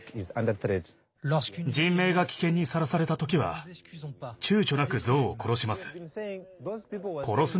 人命が危険にさらされた時はちゅうちょなくゾウを殺します。